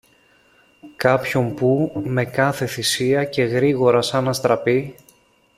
κάποιον που, με κάθε θυσία και γρήγορα σαν αστραπή